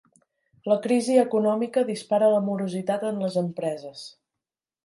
La crisi econòmica dispara la morositat en les empreses.